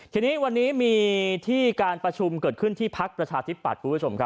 ทีนี้วันนี้มีที่การประชุมเกิดขึ้นที่พักประชาธิบัติ